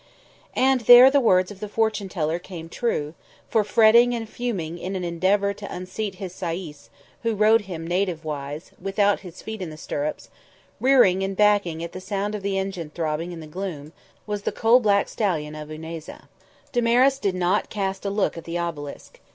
And there the words of the fortune teller came true, for fretting and fuming in an endeavour to unseat his sayis, who rode him native wise, without his feet in the stirrups, rearing and backing at the sound of the engine throbbing in the gloom, was the coal black stallion of Unayza. Damaris did not cast a look at the Obelisk.